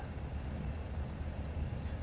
kita sudah berpegang kepada ketuhanan yang maha esat